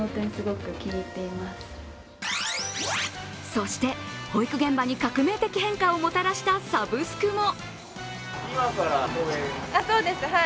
そして保育現場に革命的変化をもたらしたサブスクも。